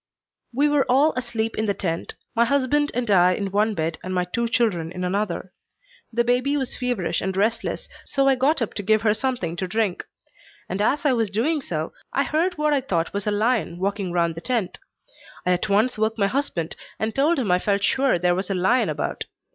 "We were all asleep in the tent, my husband and I in one bed and my two children in another. The baby was feverish and restless, so I got up to give her something to drink; and as I was doing so, I heard what I thought was a lion walking round the tent. I at once woke my husband and told him I felt sure there was a lion about.